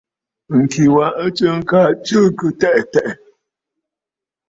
Ŋ̀kì wa ɨ t;sɨɨkə aa tsɨ̀ɨ̀ŋkə̀ tɛʼɛ̀ tɛ̀ʼɛ̀.